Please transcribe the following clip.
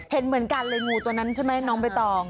เห็นเหมือนกันเลยงูตัวนั้นใช่ไหมน้องใบตอง